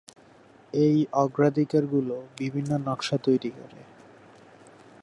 এই অগ্রাধিকার গুলো বিভিন্ন নকশা তৈরি করে।